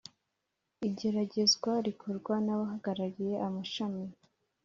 igeragezwa rikorwa n’abahagarariye amashami